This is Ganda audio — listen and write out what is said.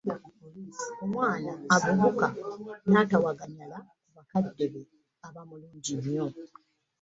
Omwana avubuka n'atawaganyala ku bakadde be aba mulungi nnyo!